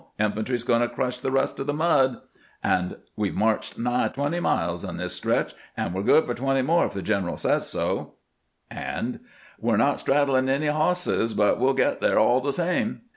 Infantry 's going to crush the rest of the mud "; and " We 've marched nigh twenty miles on this stretch, and we 're good for twenty more if the general says so "; and " We 're not straddlin' any bosses, but we '11 get there all the same."